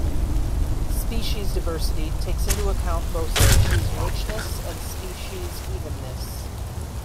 Species diversity takes into account both species richness and species evenness.